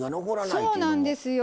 そうなんですよ。